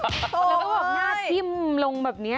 แล้วก็แบบหน้าทิ่มลงแบบนี้